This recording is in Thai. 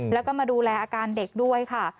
แล้วก็มาดูแลอาการเด็กด้วยค่ะ